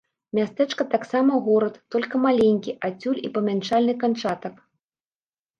Мястэчка таксама горад, толькі маленькі, адсюль і памяншальны канчатак.